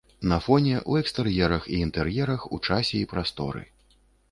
На фоне, у экстэр'ерах і інтэр'ерах, у часе і прасторы.